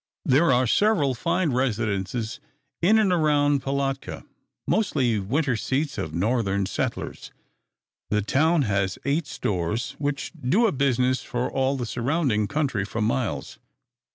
There are several fine residences in and around Pilatka, mostly winter seats of Northern settlers. The town has eight stores, which do a business for all the surrounding country for miles.